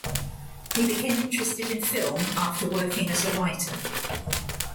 He became interested in film after working as a writer.